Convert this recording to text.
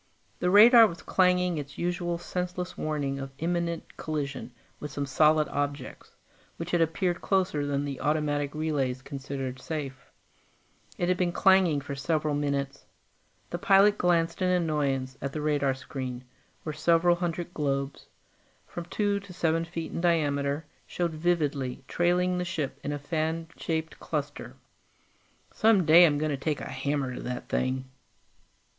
The radar was clanging its usual senseless warning of imminent collision with some solid objects, which had approached closer than the automatic relays considered safe. It had been clanging for several minutes. The pilot glanced in annoyance at the radar screen, where several hundred globes from two to seven feet in diameter showed vividly, trailing the ship in a fan shaped cluster. "Some day I'm going to take a hammer to that thing."